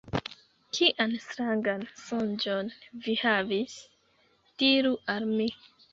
Kian strangan sonĝon vi havis? Diru al mi!